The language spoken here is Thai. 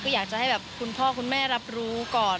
อยากจะให้แบบคุณพ่อคุณแม่รับรู้ก่อน